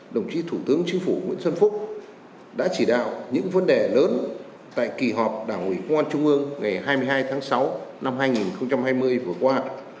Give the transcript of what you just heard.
đồng chí thủ tướng chính phủ nguyễn xuân phúc đã chỉ đạo những vấn đề lớn tại kỳ họp đảng ủy công an trung ương ngày hai mươi hai tháng sáu năm hai nghìn hai mươi vừa qua